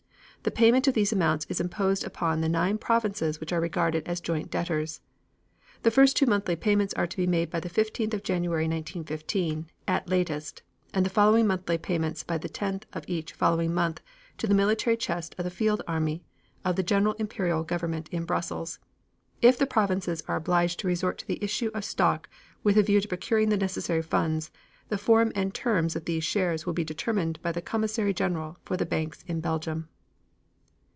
The payment of these amounts is imposed upon the nine provinces which are regarded as joint debtors. The two first monthly payments are to be made by the 15th of January, 1915, at latest, and the following monthly payments by the tenth of each following month to the military chest of the Field Army of the General Imperial Government in Brussels. If the provinces are obliged to resort to the issue of stock with a view to procuring the necessary funds, the form and terms of these shares will be determined by the Commissary General for the banks in Belgium.